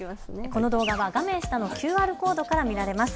この動画は画面下のＱＲコードから見られます。